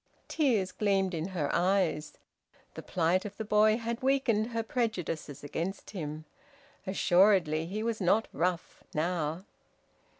Tears gleamed in her eyes. The plight of the boy had weakened her prejudices against him. Assuredly he was not `rough' now.